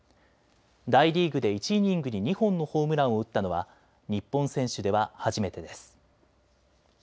大リーグで１イニングに２本のホームランを打ったのは日本選手では初めてです。